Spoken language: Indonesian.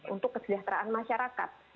untuk kesedahteraan masyarakat